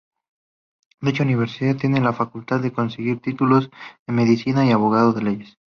Dicha universidad tenía la facultad de conferir títulos en: Medicina y Abogado en Leyes.